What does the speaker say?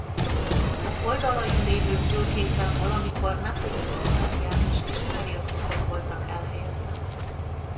Az oldalain lévő fülkékben valamikor Nepomuki Szent János és Mária szobrok voltak elhelyezve.